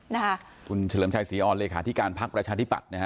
คุณเฉลิมชัยศรีออนเลยค่ะที่การภาคประชาธิบัติ